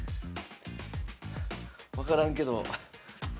分からんけど。